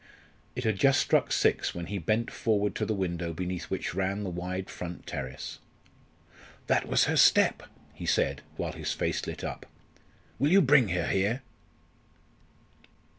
It had just struck six when he bent forward to the window beneath which ran the wide front terrace. "That was her step!" he said, while his face lit up, "will you bring her here?"